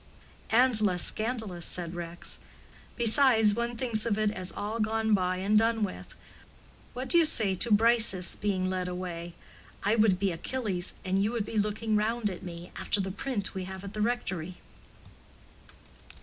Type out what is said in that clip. "And less scandalous," said Rex. "Besides, one thinks of it as all gone by and done with. What do you say to Briseis being led away? I would be Achilles, and you would be looking round at me—after the print we have at the rectory."